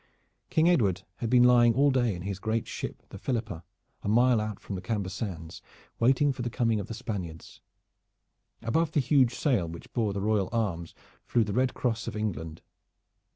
King Edward had been lying all day in his great ship the Philippa, a mile out from the Camber Sands, waiting for the coming of the Spaniards. Above the huge sail which bore the royal arms flew the red cross of England.